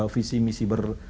visi misi ber